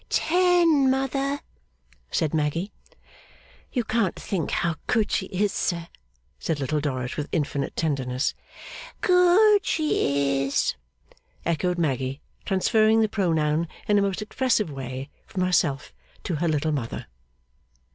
'Ten, mother,' said Maggy. 'You can't think how good she is, sir,' said Little Dorrit, with infinite tenderness. 'Good she is,' echoed Maggy, transferring the pronoun in a most expressive way from herself to her little mother.